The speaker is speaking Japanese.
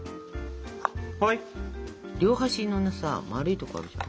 両端のさ丸いとこあるじゃん